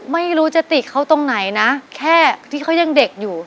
ไม่รู้จะติเขาตรงไหนนะแค่ที่เขายังเด็กอยู่